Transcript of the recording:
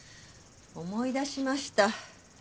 思い出しました。